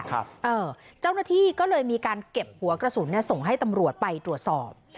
เจ้าหน้าที่ก็เลยมีการเก็บหัวกระสุนส่งให้ตำรวจไปตรวจสอบ